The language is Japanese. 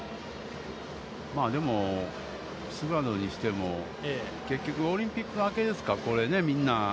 でも、菅野にしても、結局オリンピック明けですか。